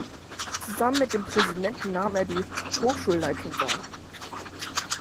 Zusammen mit dem Präsidenten nahm er die Hochschulleitung wahr.